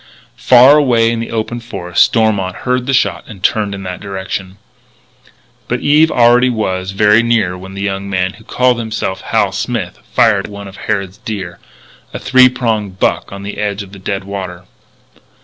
Far away in the open forest Stormont heard the shot and turned in that direction. But Eve already was very near when the young man who called himself Hal Smith fired at one of Harrod's deer a three prong buck on the edge of the dead water.